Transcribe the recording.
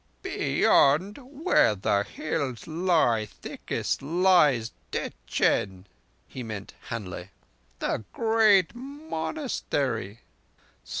"Beyond, where the hills lie thickest, lies De ch'en" (he meant Han lé'), "the great Monastery.